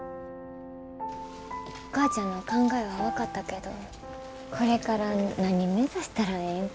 お母ちゃんの考えは分かったけどこれから何目指したらええんか。